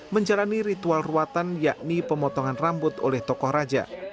menjalani ritual ruatan yakni pemotongan rambut oleh tokoh raja